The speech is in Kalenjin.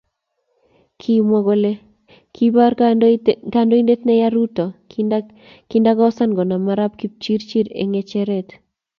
Kimwa kole kibor kandoindet neya Ruto kindakosan konam Arap Kipchirchir eng ngecheret